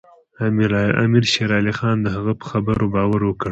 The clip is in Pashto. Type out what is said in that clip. امیر شېر علي خان د هغه په خبرو باور وکړ.